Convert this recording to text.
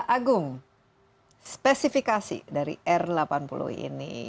agung spesifikasi dari r delapan puluh ini